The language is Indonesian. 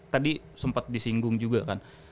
tadi sempat disinggung juga kan